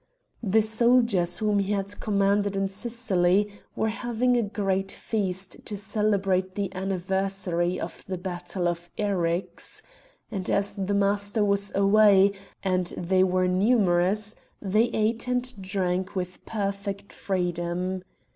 The soldiers whom he had commanded in Sicily were having a great feast to celebrate the anniversary of the battle of Eryx, and as the master was away, and they were numerous, they ate and drank with perfect freedom.